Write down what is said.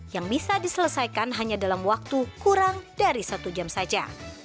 yang bisa diselesaikan hanya dalam waktu kurang dari satu jam saja